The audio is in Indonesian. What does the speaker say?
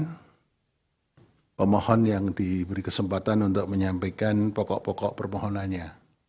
dan pemohon yang diberi kesempatan untuk menyampaikan pokok pokok permohonannya